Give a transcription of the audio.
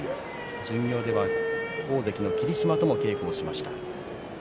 巡業では大関の霧島とも稽古をしました。